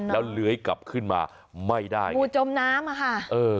แล้วเหลือกลับขึ้นมาไม่ได้หูจมน้ำอะค่ะ